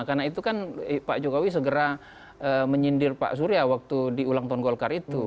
karena itu kan pak jokowi segera menyindir pak surya waktu di ulang tahun golkar itu